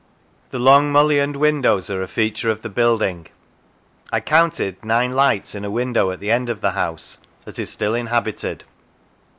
The long mullioned windows are a feature of the building. I counted nine lights in a window at the end of the house that is still inhabited.